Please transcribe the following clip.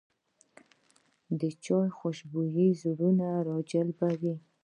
د چای خوشبويي زړونه راجلبوي